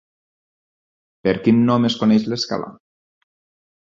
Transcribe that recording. Per quin nom es coneix l'escala?